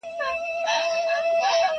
o اوبه د سر د پاله خړېږي!